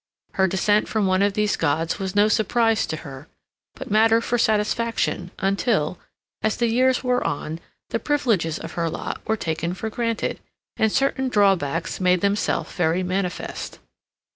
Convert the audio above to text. Her descent from one of these gods was no surprise to her, but matter for satisfaction, until, as the years wore on, the privileges of her lot were taken for granted, and certain drawbacks made themselves very manifest.